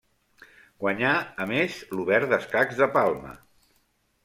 Guanyà, a més, l'obert d'escacs de Palma.